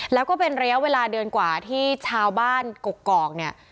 แล้วก็เป็นระยะเวลาเดือนกว่าที่ชาวบ้านกกอกเนี่ย